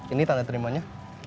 ini tanda terimanya